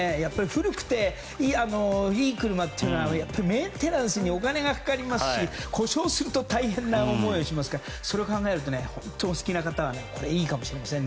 古くて、いい車はメンテナンスにお金がかかりますし故障すると大変な思いをしますからそれを考えるとお好きな方はいいかもしれません。